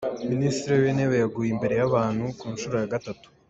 Minisitiri w’intebe yaguye imbere y’abantu ku nshuro ya gatatu